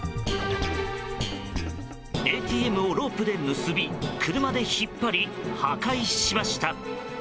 ＡＴＭをロープで結び車で引っ張り破壊しました。